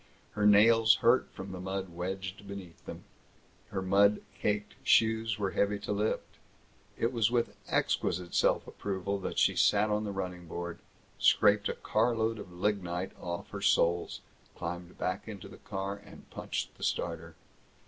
Her nails hurt from the mud wedged beneath them. Her mud caked shoes were heavy to lift. It was with exquisite self approval that she sat on the running board, scraped a car load of lignite off her soles, climbed back into the car, punched the starter.